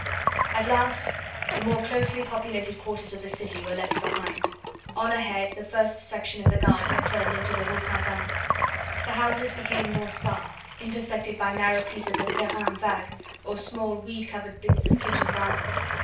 At last the more closely populated quarters of the city were left behind. On ahead the first section of the guard had turned into the Rue St. Anne. The houses became more sparse, intersected by narrow pieces of terrains vagues, or small weed covered bits of kitchen garden.